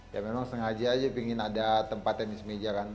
ya memang sengaja aja pingin ada tempat tenis meja kan